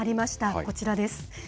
こちらです。